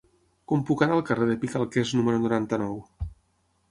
Com puc anar al carrer de Picalquers número noranta-nou?